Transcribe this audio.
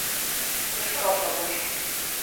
¡E faga o favor!